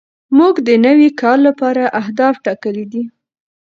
موږ د نوي کال لپاره اهداف ټاکلي دي.